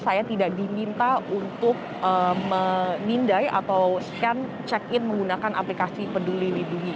saya tidak diminta untuk menindai atau scan check in menggunakan aplikasi peduli lindungi